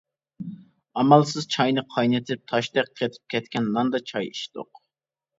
ئامالسىز چاينى قاينىتىپ، تاشتەك قېتىپ كەتكەن ناندا چاي ئىچتۇق.